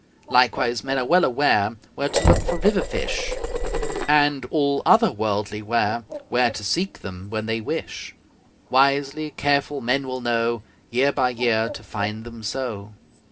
Likewise, men are well aware Where to look for river fish; And all other worldly ware Where to seek them when they wish; Wisely careful men will know Year by year to find them so.